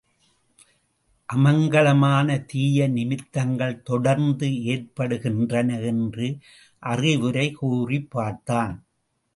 அமங்கலமான தீய நிமித்தங்கள் தொடர்ந்து ஏற்படுகின்றன என்று அறிவுரை கூறிப் பார்த்தான்.